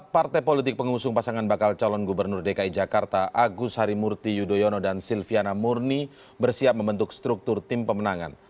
partai politik pengusung pasangan bakal calon gubernur dki jakarta agus harimurti yudhoyono dan silviana murni bersiap membentuk struktur tim pemenangan